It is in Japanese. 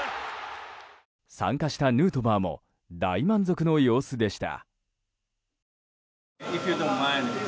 参加したヌートバーも大満足の様子でした。